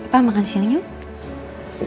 pak makan siang yuk